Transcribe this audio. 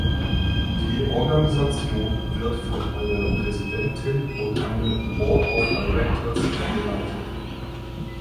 Die Organisation wird von einer Präsidentin und einem "board of directors" geleitet.